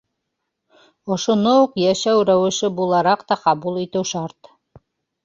Ошоно уҡ йәшәү рәүеше булараҡ та ҡабул итеү шарт.